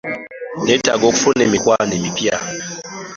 Nneetaaga okufuna emikwano emipya.